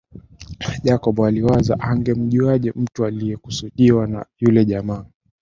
Jacob aliwaza angemjuaje mtu aliyekusudiwa yule jamaa